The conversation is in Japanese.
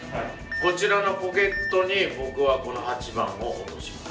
こちらのポケットに僕はこの８番を落とします。